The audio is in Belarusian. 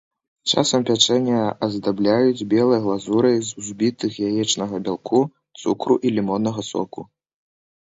Часам пячэнне аздабляюць белай глазурай з узбітых яечнага бялку, цукру і лімоннага соку.